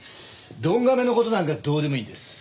鈍亀の事なんかどうでもいいんです。